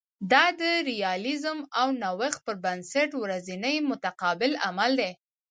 دا د ریالیزم او نوښت پر بنسټ ورځنی متقابل عمل دی